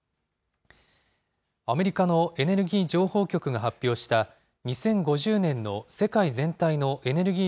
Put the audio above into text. アメリカのエネルギー情報局が発表した、２０５０年の世界全体のエネルギー